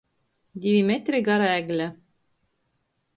Divi metri gara egle.